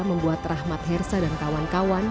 membuat rahmat hersa dan kawan kawan